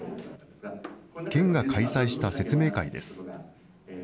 県が開催した説明会です。